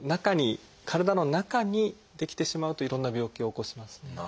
体の中に出来てしまうといろんな病気を起こしますね。